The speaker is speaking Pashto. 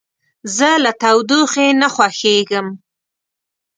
زه له تودوخې نه خوښیږم.